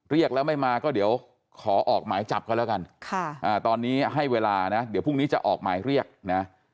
เรียกแล้วไม่มาก็เดี๋ยวขอออกหมายจับกันแล้วกันตอนนี้ให้เวลานะเดี๋ยวพรุ่งนี้จะออกหมายเรียกนะ